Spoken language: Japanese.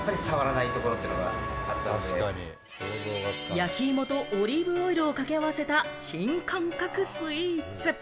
焼き芋とオリーブオイルを掛け合わせた新感覚スイーツ。